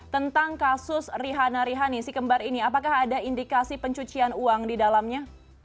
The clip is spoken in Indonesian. tentang kasus rihana rihani si kembar ini apakah ada indikasi pencucian uang di dalamnya